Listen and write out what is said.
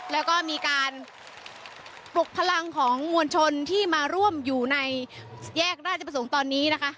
แล้วก็มีการปลุกพลังของมวลชนที่มาร่วมอยู่ในแยกราชประสงค์ตอนนี้นะคะ